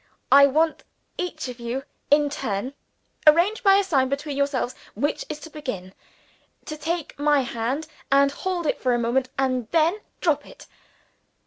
I want each of you in turn (arrange by a sign between yourselves which is to begin) to take my hand, and hold it for a moment, and then drop it.